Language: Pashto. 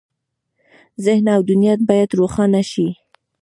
ذهن او دنیا باید روښانه شي.